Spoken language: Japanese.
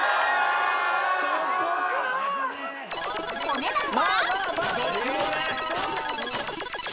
［お値段は？］